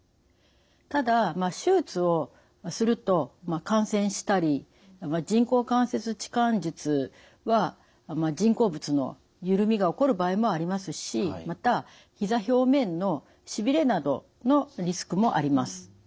ただ手術をすると感染したり人工関節置換術は人工物の緩みが起こる場合もありますしまたひざ表面のしびれなどのリスクもあります。